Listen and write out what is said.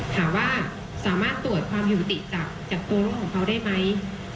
ถามว่าสามารถตรวจความหิวติดจากตัวรถของเขาได้ไหม